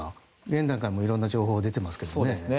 現段階でも色んな情報が出てますけどね。